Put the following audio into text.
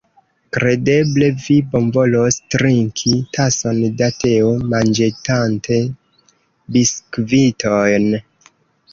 Kredeble vi bonvolos trinki tason da teo, manĝetante biskviton?